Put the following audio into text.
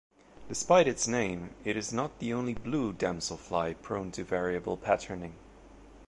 Despite its name, it is not the only blue damselfly prone to variable patterning.